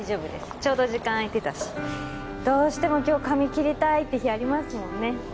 ちょうど時間あいてたしどうしても今日髪切りたいって日ありますもんね